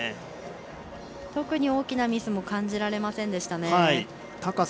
特に大きなミスも感じられませんでしたね。